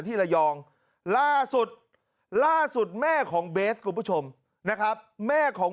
ที่ระยองล่าสุดล่าสุดแม่ของเบสคุณผู้ชมนะครับแม่ของ